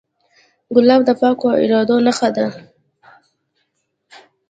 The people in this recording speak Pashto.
ګلاب د پاکو ارادو نښه ده.